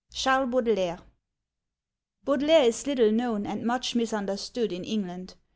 CHARLES BAUDELAIRE Baudelaire is little known and much misunderstood in England.